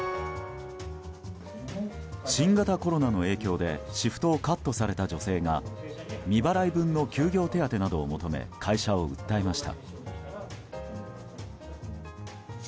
新型コロナの影響でシフトをカットされた女性が未払い分の休業手当などを求め会社を訴えました。